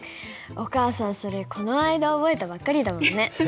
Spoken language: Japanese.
お母さんそれこの間覚えたばっかりだもんね。